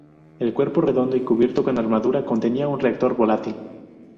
El cuerpo redondo y cubierto con armadura contenía un reactor volátil.